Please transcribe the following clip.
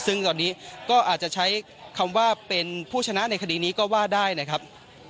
ซึ่งตอนนี้ก็อาจจะใช้คำว่าเป็นผู้ชนะในคดีนี้ก็ว่าได้นะครับ